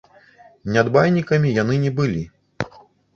Нядбайнікамі яны не былі.